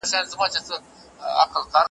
چېرته به نوي نوزي لارې ګورم